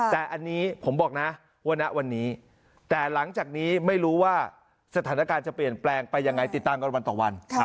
แต่อันนี้ผมบอกนะว่าณวันนี้แต่หลังจากนี้ไม่รู้ว่าสถานการณ์จะเปลี่ยนแปลงไปยังไงติดตามกันวันต่อวัน